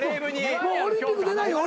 もうオリンピック出ないの？